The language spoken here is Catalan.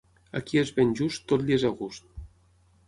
A qui és ben just, tot li és a gust.